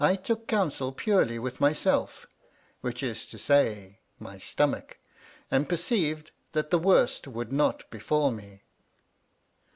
I took eomisel purely with myself, which is to say, my stomach, and perceived that the worst would not befall me.